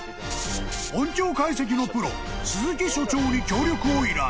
［音響解析のプロ鈴木所長に協力を依頼］